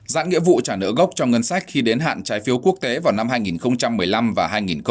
giãn nghĩa vụ trả nợ gốc trong ngân sách khi đến hạn trái phiếu quốc tế vào năm hai nghìn một mươi năm và hai nghìn hai mươi